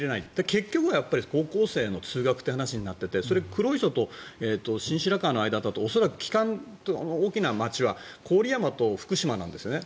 結局は高校生の通学という話になっていてそれ、黒磯と新白河の間は基幹、大きな街は郡山と福島なんですね。